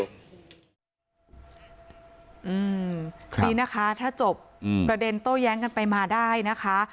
ดีนะคะถ้าจบประเด็นโต้แย้งกันไปมาได้นะคะ